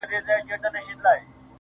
زه د ملي بیرغ په رپ ـ رپ کي اروا نڅوم